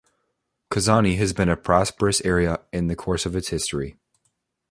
Kozani has been a prosperous area in the course of its history.